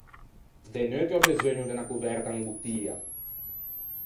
De neutte ò beseugno de unna coverta imbottia.